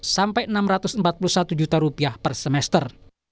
sampai rp enam ratus empat puluh satu juta rupiah per semester